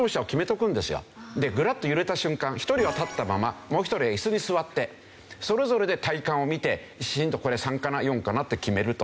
でグラッと揺れた瞬間１人は立ったままもう一人はイスに座ってそれぞれで体感をみて震度これ３かな４かなって決めると。